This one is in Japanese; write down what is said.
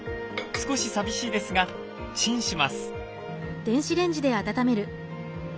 少し寂しいですがチンします。